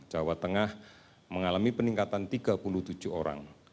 jawa tengah mengalami peningkatan tiga puluh tujuh orang